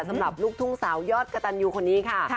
สำหรับลูกทุ่งสายอดกะตันยูคนนี้ค่ะ